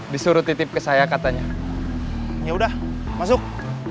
disuruh titip ke saya katanya ya udah masuk